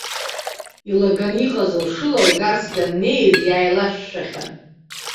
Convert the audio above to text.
Илаган иҟаз лшыла лгарц даннеиз иааилашәшәахьан.